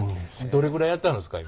どれぐらいやってはるんですか？